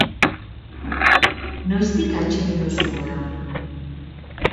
Noiztik atsegin duzu moda?